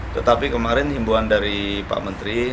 tetapi kemarin himbuan dari pak menteri